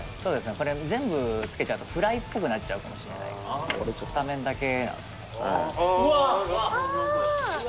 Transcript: これ全部つけちゃうとフライっぽくなっちゃうかもしれないんで片面だけうわあ！